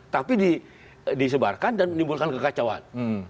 tapi disebarkan dan menimbulkan kekacauan